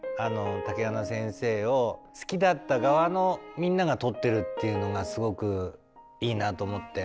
竹花先生を好きだった側のみんなが撮ってるっていうのがすごくいいなと思って。